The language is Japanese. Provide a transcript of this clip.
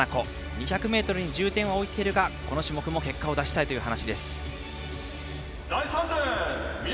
２００ｍに重点を置いてるがこの種目も結果を出したいという話です。